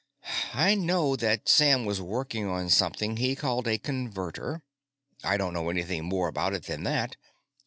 "I know that Sam was working on something he called a Converter. I don't know anything more about it than that.